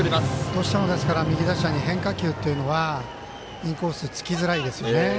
どうしても右打者に変化球といのはインコースつきづらいですよね。